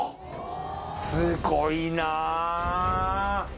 すごいな。